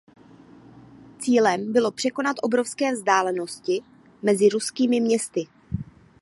Cílem bylo překonat obrovské vzdálenosti mezi ruskými městy.